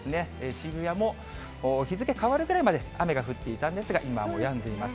渋谷も日付変わるぐらいまで、雨が降っていたんですが、今はもうやんでいます。